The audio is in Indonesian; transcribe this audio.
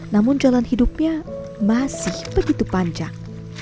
namun jalan hidupnya masih begitu panjang